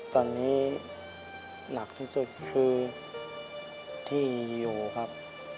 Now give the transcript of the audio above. ตอนนี้หนักที่สุดคือที่อยู่ครับ